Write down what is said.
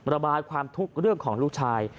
ระบายความทุกข์เรื่องของลูกชาย